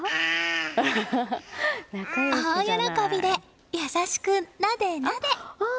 大喜びで優しくなでなで。